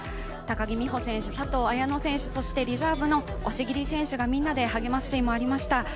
高木美帆選手、佐藤綾乃選手、そしてリザーブの押切選手、みんなで励ますシーンもありました。